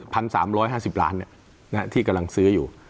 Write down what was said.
สามร้อยห้าสิบล้านเนี่ยนะฮะที่กำลังซื้ออยู่